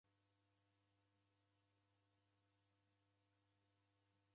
Vua nyingi yanona miw'alwa.